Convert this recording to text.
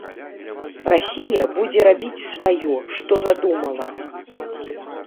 Расія будзе рабіць сваё, што задумала.